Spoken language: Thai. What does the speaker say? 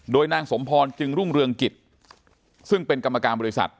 โดยนางสมพรจึงรุ่งเรืองกิจซึ่งเป็นกรรมการบริษัท